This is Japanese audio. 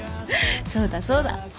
そうだそうだ。